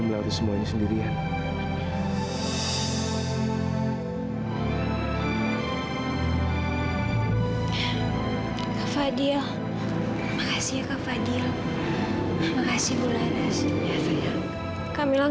melewati semuanya sendirian